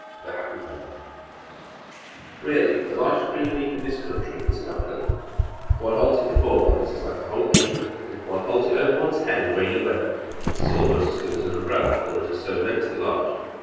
THE HAPPY FAMILY Really, the largest green leaf in this country is a dock leaf; if one holds it before one, it is like a whole apron, and if one holds it over one's head in rainy weather, it is almost as good as an umbrella, for it is so immensely large.